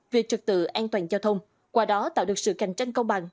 giao thông qua đó tạo được sự cạnh tranh công bằng